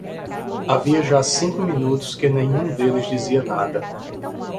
Havia já cinco minutos que nenhum deles dizia nada.